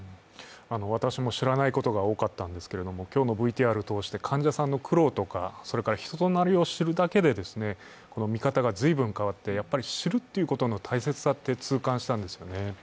私も知らないことが多かったんですけれども、今日のＶＴＲを通して患者さんの苦労とか人となりを知るだけで見方が随分変わって、やはり知るということの大切さを痛感したんですよね。